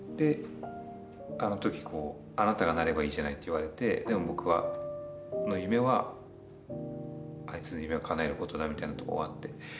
あの時あなたがなればいいじゃないって言われてでも僕の夢はあいつの夢をかなえることだみたいなとこがあって。